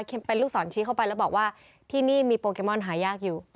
เป็นลูกศรชี้เข้าไปแล้วบอกว่าที่นี่มีโปเกมอนหายากอยู่